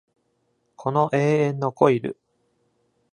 この永遠のコイル